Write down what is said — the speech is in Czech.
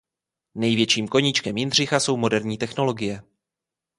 Největším koníčkem Jindřicha jsou moderní technologie.